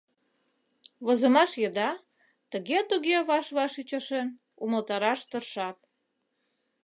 Возымаш еда, тыге-туге ваш-ваш ӱчашен, умылтараш тыршат.